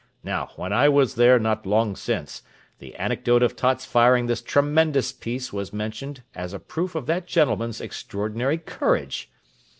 Now, when I was there not long since, the anecdote of Tott's firing this tremendous piece was mentioned as a proof of that gentleman's extraordinary courage.